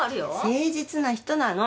誠実な人なの。